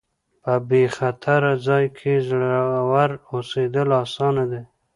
په بې خطره ځای کې زړور اوسېدل اسانه دي.